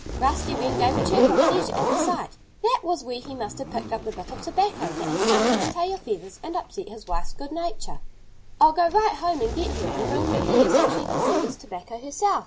Rusty Wren gave a chirp of pleasure at the sight. That was where he must have picked up the bit of tobacco that had clung to his tail feathers and upset his wife's good nature. "I'll go right home and get her and bring her here so she can see this tobacco herself!"